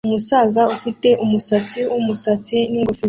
Umusaza ufite umusatsi wumusatsi ningofero